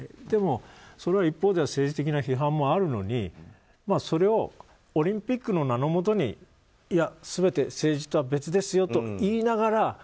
でもそれは一方では政治的な批判もあるのにオリンピックの名のもとに全て政治とは別ですよと言いながら。